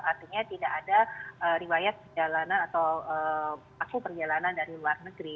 artinya tidak ada riwayat perjalanan atau aku perjalanan dari luar negeri